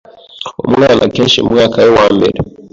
Umwana akenshi mu mwaka we wa mbere